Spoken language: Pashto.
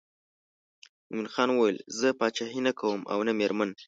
مومن خان ویل زه پاچهي نه کوم او نه مېرمن.